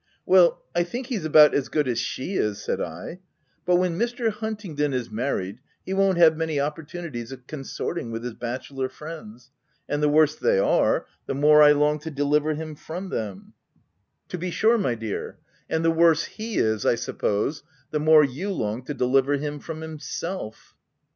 "Well, I think he's about as good as she is," said I. si But when Mr. Huntingdon is mar ried, he won't have many opportunities of con sorting with his bachelor friends; — and the worse they are, the more I long to deliver him from them." b 3 10 THE TENANT "To be sure, my dear; and the worse he is, I suppose, the more you long to deliver him from himself.